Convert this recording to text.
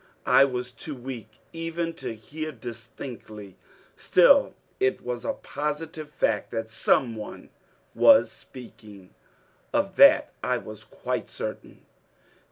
I was too weak even to hear distinctly. Still it was a positive fact that someone was speaking. Of that I was quite certain.